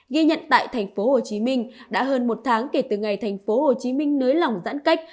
ghi nhận tại tp hcm đã hơn một tháng kể từ ngày tp hcm nới lỏng giãn cách